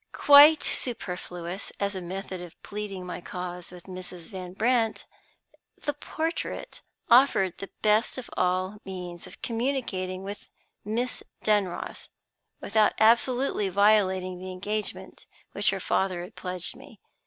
Quite superfluous as a method of pleading my cause with Mrs. Van Brandt, the portrait offered the best of all means of communicating with Miss Dunross, without absolutely violating the engagement to which her father had pledged me.